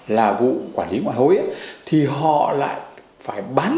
là vụ quản lý ngoại hối thì họ lại phải bán